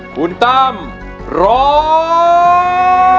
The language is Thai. คุณตั้มร้อง